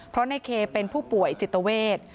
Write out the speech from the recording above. เพราะในเคเป็นผู้ป่วยจิตเวท